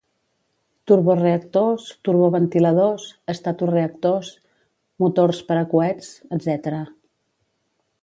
turboreactors, turboventiladors, estatoreactors, motors per a coets, etc.